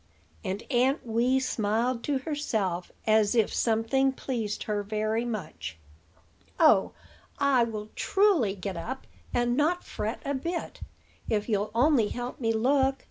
And Aunt Wee smiled to herself as if something pleased her very much. "Oh! I will, truly, get up, and not fret a bit, if you'll only help me look.